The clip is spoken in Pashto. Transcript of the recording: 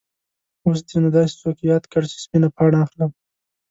اوس دې نو داسې څوک یاد کړ چې سپینه پاڼه اخلم.